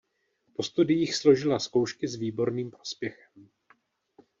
Po studiích složila zkoušky s výborným prospěchem.